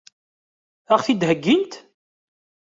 Ad ɣ-t-id-heggint?